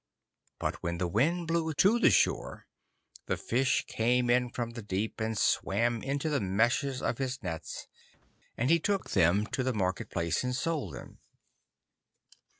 But when the wind blew to the shore, the fish came in from the deep, and swam into the meshes of his nets, and he took them to the market place and sold them.